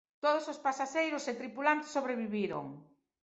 Todos os pasaxeiros e tripulantes sobreviviron.